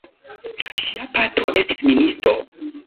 Ŝia patro estis ministo.